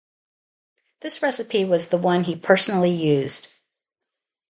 This recipe was the one he personally used.